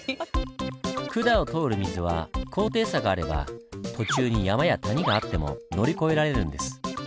管を通る水は高低差があれば途中に山や谷があっても乗り越えられるんです。